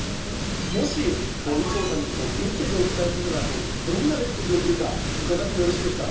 もし、伊調さんにメッセージをお伝えするなら、どんなメッセージを送るか、伺ってもよろしいですか。